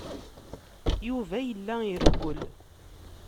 Yuba yella irewwel.